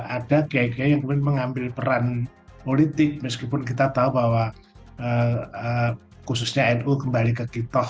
ada kiai kiai yang kemudian mengambil peran politik meskipun kita tahu bahwa khususnya nu kembali ke kitoh